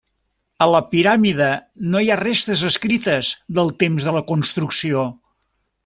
A la piràmide, no hi ha restes escrites del temps de la construcció.